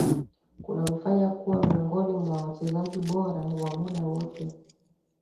kunamfanya kuwa miongoni mwa wachezaji bora wa muda wote